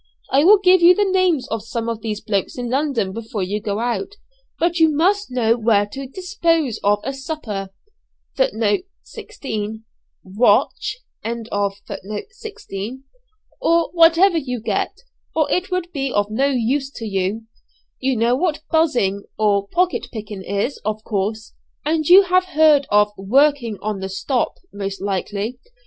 I will give you the names of some of these blokes in London before you go out. You must know where to dispose of a 'super,' or whatever you get, or it would be of no use to you. You know what 'buzzing,' or pocket picking is, of course; and you have heard of working on the 'stop,' most likely.